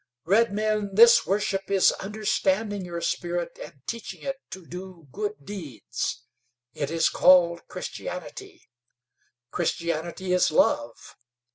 "Redmen, this worship is understanding your spirit and teaching it to do good deeds. It is called Christianity. Christianity is love.